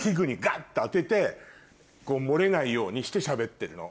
漏れないようにしてしゃべってるの。